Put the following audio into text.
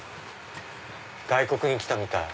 外国に来たみたい。